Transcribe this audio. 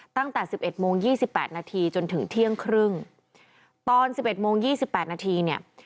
ตั้งแต่สิบเอ็ดโมงยี่สิบแปดนาทีจนถึงเที่ยงครึ่งตอนสิบเอ็ดโมงยี่สิบแปดนาทีเนี่ย